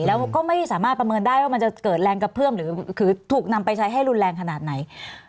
แล้วก็ไม่สามารถประเมินได้ว่ามันจะเกิดแรงกระเพื่อมหรือถูกนำไปใช้ให้รุนแรงขนาดไหน